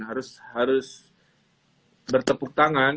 harus harus bertepuk tangan